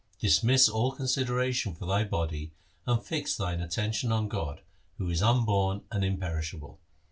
Dismiss all consideration for thy body and fix thine attention on God, who is unborn and imperishable.